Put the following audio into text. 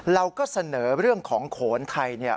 เราก็เสนอเรื่องของโขนไทย